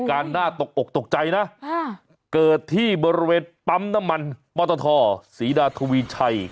น่าตกอกตกใจนะเกิดที่บริเวณปั๊มน้ำมันปตทศรีดาทวีชัย